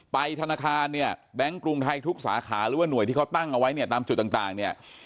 ธนาคารเนี่ยแบงค์กรุงไทยทุกสาขาหรือว่าหน่วยที่เขาตั้งเอาไว้เนี่ยตามจุดต่างเนี่ย